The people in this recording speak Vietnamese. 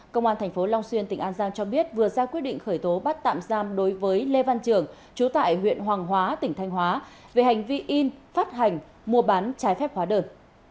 công an tp long xuyên tỉnh an giang cho biết vừa ra quyết định khởi tố bắt tạm giam đối với lê văn trường chú tại huyện hoàng hóa tỉnh thanh hóa về hành vi in phát hành mua bán trái phép hóa đơn